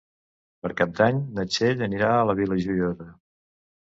Per Cap d'Any na Txell anirà a la Vila Joiosa.